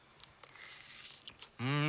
うん！